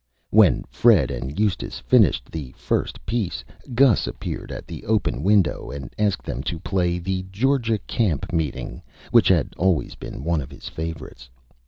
When Fred and Eustace finished the first Piece, Gus appeared at the open Window, and asked them to play "The Georgia Camp Meeting," which had always been one of his Favorites.